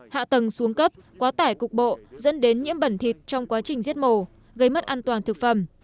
hạ tầng xuống cấp quá tải cục bộ dẫn đến nhiễm bẩn thịt trong quá trình giết mổ gây mất an toàn thực phẩm